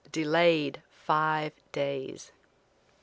DELAYED FIVE DAYS.